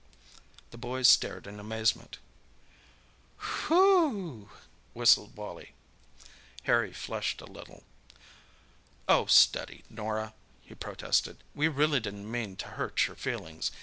The boys stared in amazement. "Whew w w!" whistled Wally. Harry flushed a little. "Oh steady, Norah!" he protested—"we really didn't mean to hurt your feelings.